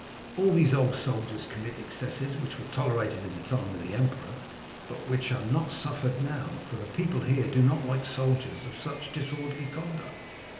All these old soldiers commit excesses which were tolerated in the time of the emperor, but which are not suffered now, for the people here do not like soldiers of such disorderly conduct.